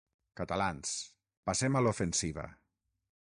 Catalans, passem a l'ofensiva.